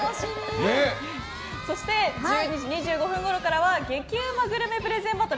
そして１２時２５分ごろからは激ウマグルメプレゼンバトル！